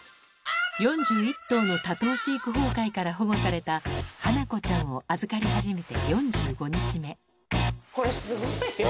４１頭の多頭飼育崩壊から保護されたハナコちゃんを預かり始めて４５日目これすごいよ。